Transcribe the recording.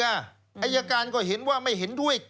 อายการก็เห็นว่าไม่เห็นด้วย